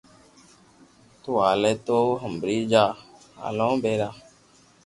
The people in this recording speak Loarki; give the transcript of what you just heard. تو ھالي تو ھمبري جا ھالو ڀيرا